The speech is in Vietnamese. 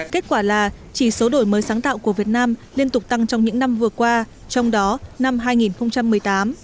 kết quả là chỉ số đổi mới sáng tạo của việt nam liên tục tăng trong những năm vừa qua trong đó năm hai nghìn một mươi tám